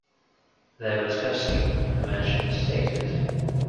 There was Gussie, emerging as stated.